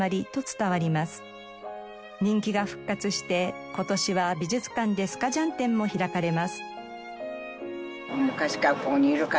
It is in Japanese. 人気が復活して今年は美術館でスカジャン展も開かれます。